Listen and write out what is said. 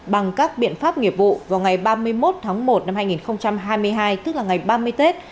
bằng các biện pháp nghiệp vụ vào ngày ba mươi một tháng một năm hai nghìn hai mươi hai tức là ngày ba mươi tết